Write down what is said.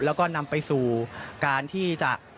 แล้วก็นำไปสู่การที่จะ